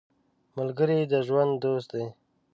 ملګری د ژوند دوست دی